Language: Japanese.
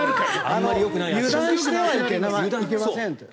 油断はいけません。